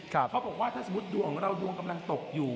เขาบอกว่าถ้าสมมุติดวงของเราดวงกำลังตกอยู่